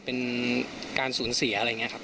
เป็นการสูญเสียอะไรอย่างนี้ครับ